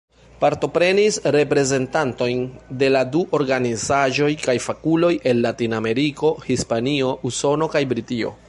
Partoprenis reprezentantoj de la du organizaĵoj kaj fakuloj el Latinameriko, Hispanio, Usono kaj Britio.